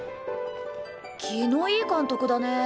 気のいい監督だね。